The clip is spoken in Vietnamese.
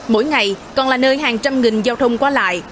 mỗi ngày còn là nơi hàng trăm nghìn giao thông qua lại